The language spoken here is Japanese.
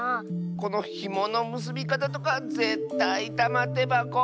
このひものむすびかたとかぜったいたまてばこ。